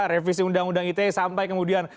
revisi undang undang ite sampai kemudian